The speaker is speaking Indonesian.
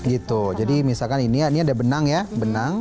gitu jadi misalkan ini ada benang ya benang